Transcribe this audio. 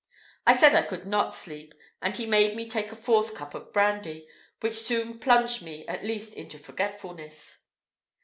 I said I could not sleep; and he made me take a fourth cup of brandy, which soon plunged me at least into forgetfulness.